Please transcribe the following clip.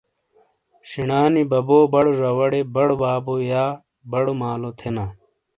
شینا نی ببو بڑو زواڑے بڑو بابو/ بڑو مالو تھینا۔